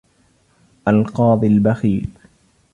القاضي البخيل